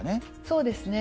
そうですね。